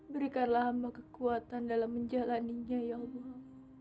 berikanlah hamba kekuatan dalam menjalannya ya allah